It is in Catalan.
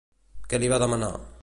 Què li va demanar?